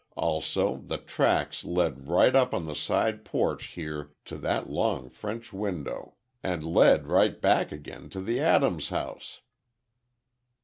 Also, the tracks led right up on the side porch here to that long French window. And led right back again to the Adams house."